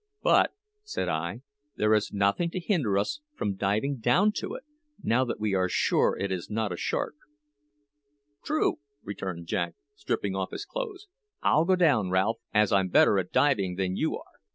"But," said I, "there is nothing to hinder us from diving down to it, now that we are sure it is not a shark." "True," returned Jack, stripping off his clothes. "I'll go down, Ralph, as I'm better at diving than you are.